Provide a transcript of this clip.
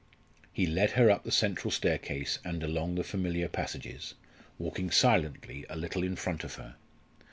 He led her up the central staircase and along the familiar passages, walking silently a little in front of her.